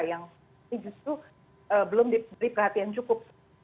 yang ini justru belum diberi perhatian cukup